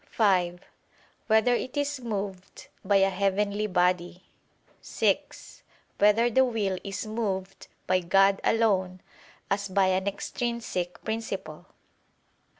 (5) Whether it is moved by a heavenly body? (6) Whether the will is moved by God alone as by an extrinsic principle?